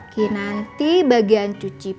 kinanti bagian cuci